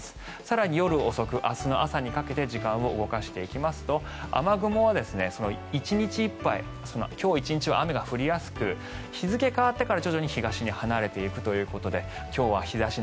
更に夜遅く、明日の朝にかけて時間を動かしていきますと雨雲は今日１日いっぱいは雨が降りやすく日付が変わってから徐々に東へ離れていくということで今日は日差し